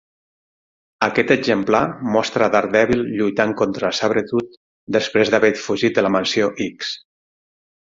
Aquest exemplar mostra Daredevil lluitant contra Sabretooth després d'haver fugit de la Mansió X.